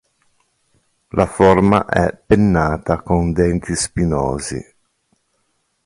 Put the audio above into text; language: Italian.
La forma è pennata con denti spinosi.